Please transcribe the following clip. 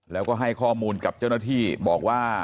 แล้วก็ให้ข้อมูลกับเจ้าหน้าที่บอกว่า